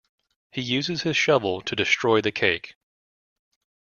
He uses his shovel to destroy the cake.